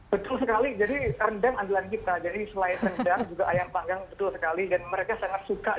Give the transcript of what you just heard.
betul sekali jadi rendang adalah kita jadi selai rendang juga ayam panggang betul sekali